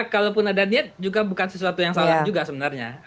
kalau pun ada niat juga bukan sesuatu yang salah juga sebenarnya